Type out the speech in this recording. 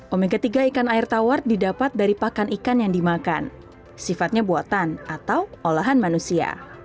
omega tiga ikan air tawar didapat dari pakan ikan yang dimakan sifatnya buatan atau olahan manusia